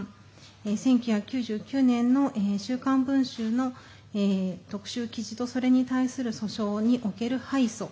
１９９０年の「週刊文春」の特集記事とそれに対する訴訟における敗訴